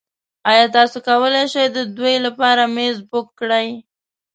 ایا تاسو کولی شئ د دوو لپاره میز بک کړئ؟